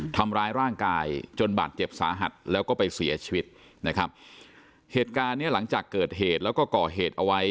ทำร้ายร่างกายจนบาดเจ็บสาหัสแล้วก็ไปเสียชีวิตนะครับเหตุการณ์เนี้ยหลังจากเกิดเหตุแล้วก็ก่อเหตุเอาไว้